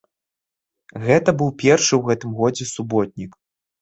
Гэта быў першы ў гэтым годзе суботнік.